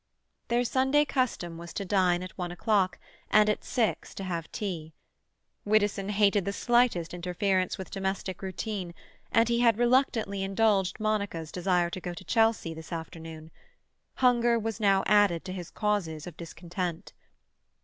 Their Sunday custom was to dine at one o'clock, and at six to have tea. Widdowson hated the slightest interference with domestic routine, and he had reluctantly indulged Monica's desire to go to Chelsea this afternoon. Hunger was now added to his causes of discontent.